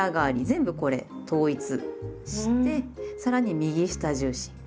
全部これ統一してさらに右下重心。